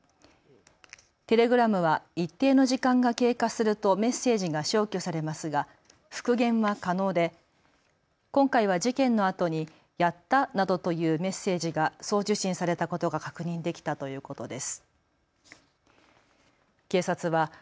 テレグラムは一定の時間が経過するとメッセージが消去されますが復元は可能で今回は事件のあとにやった？などというメッセージが送受信されたことが確認できたということです。